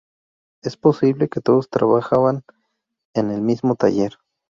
Es posible que todos trabajaban en el mismo taller.